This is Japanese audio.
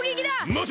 まて！